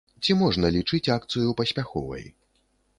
Ці можна лічыць акцыю паспяховай?